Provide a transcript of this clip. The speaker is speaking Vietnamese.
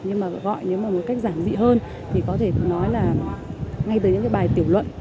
nhưng mà gọi nếu mà một cách giản dị hơn thì có thể nói là ngay từ những cái bài tiểu luận